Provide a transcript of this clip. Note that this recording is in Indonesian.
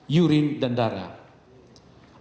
yurin dan darah